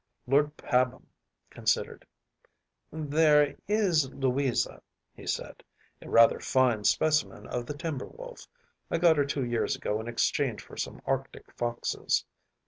‚ÄĚ Lord Pabham considered. “There is Louisa,‚ÄĚ he said, “a rather fine specimen of the timber wolf. I got her two years ago in exchange for some Arctic foxes.